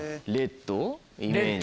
レッド？